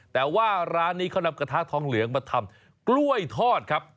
แต่ว่าร้านนี้เขานำกระทะทองเหลืองมาทำกล้วยทอดครับ